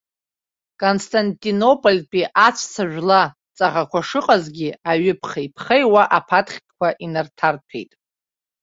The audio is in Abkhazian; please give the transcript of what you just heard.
Константинопольтәи аҵәца жәла ҵаӷақәа шыҟазгьы, аҩы ԥхеиԥхеиуа аԥаҭхьқәа инарҭарҭәеит.